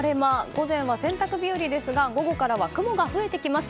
午前は洗濯日和ですが午後からは雲が増えてきます。